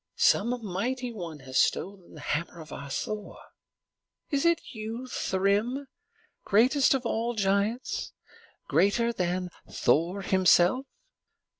Some mighty one has stolen the hammer of our Thor. Is it you, Thrym, greatest of all giants, greater than Thor himself?"